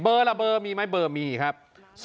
เบอร์ละเบอร์มีไหมเบอร์มีครับ